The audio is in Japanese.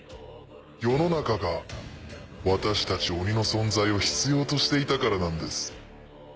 世の中が私たち鬼の存在を必要としていたからなんです。